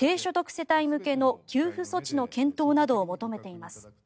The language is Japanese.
世帯向けの給付措置の検討などを求めています。